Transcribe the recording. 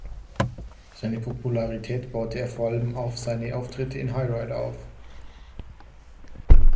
Seine Popularität baute er vor allem auf seine Auftritte im Hayride auf.